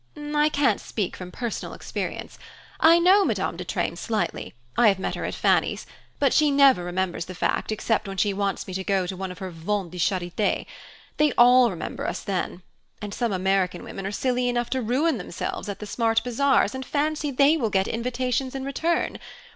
"I can't speak from personal experience. I know Madame de Treymes slightly I have met her at Fanny's but she never remembers the fact except when she wants me to go to one of her ventes de charite. They all remember us then; and some American women are silly enough to ruin themselves at the smart bazaars, and fancy they will get invitations in return.